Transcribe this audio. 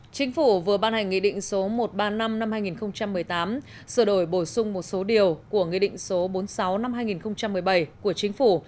chính phủ vừa ban hành nghị định số một trăm ba mươi năm năm hai nghìn một mươi tám sửa đổi bổ sung một số điều của nghị định số bốn mươi sáu năm hai nghìn một mươi bảy của chính phủ